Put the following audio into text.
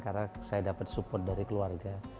karena saya dapat support dari keluarga